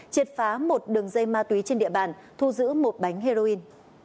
triệt phá một đường dây ma túy trên địa bàn thu giữ một bánh heroin